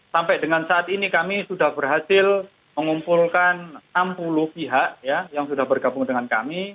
sampai dengan saat ini kami sudah berhasil mengumpulkan enam puluh pihak yang sudah bergabung dengan kami